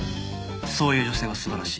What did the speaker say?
そういう女性は素晴らしい。